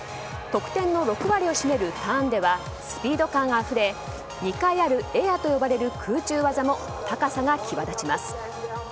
得点の６割を占めるターンではスピード感あふれ２回あるエアと呼ばれる空中技も高さが際立ちます。